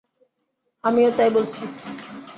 আমিও তাই বলছি।